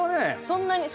そんなに。